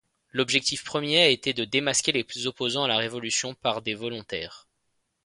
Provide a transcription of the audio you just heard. L'objectif premier a été de démasquer les opposants à la Révolution par des volontaires.